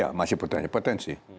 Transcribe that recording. ya masih punya potensi